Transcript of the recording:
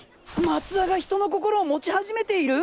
松田が人の心を持ち始めている？